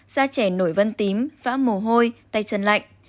da trẻ nổi vân tím phá mồ hôi tay chân lạnh